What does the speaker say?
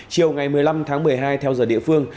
chiều ngày một mươi năm tháng một mươi hai theo giờ địa phương